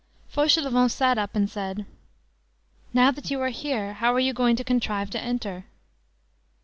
Fauchelevent sat up and said:— "Now that you are here, how are you going to contrive to enter?"